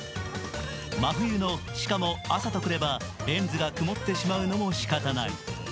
真冬のしかも、朝とくればレンズが曇ってしまうのもしかたがない。